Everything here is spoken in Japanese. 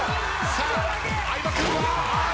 さあ相葉君は！？あっ！